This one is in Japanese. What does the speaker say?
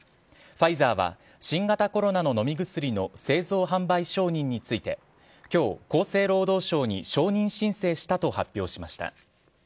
ファイザーは新型コロナの飲み薬の製造、販売承認について今日、厚生労働省に承認申請したと発表しました。